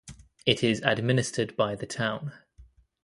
It is administered by the town.